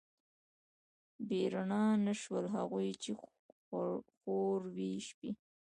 بې رڼا نه شول، هغوی چې خوروي شپې